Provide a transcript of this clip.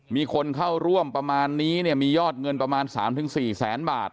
มีคนเข้าร่วมประมาณนี้เนี่ยมียอดเงินประมาณ๓๔แสนบาท